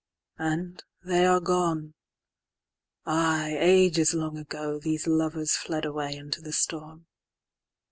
And they are gone: ay, ages long agoThese lovers fled away into the storm.